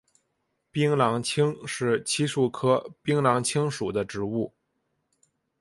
槟榔青是漆树科槟榔青属的植物。